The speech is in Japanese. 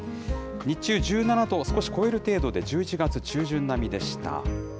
日中１７度を少し超える程度で、１１月中旬並みでした。